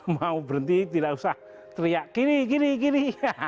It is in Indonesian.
mau berhenti tidak usah teriak kiri kiri kiri